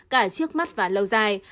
cả trước mắt và lâu dài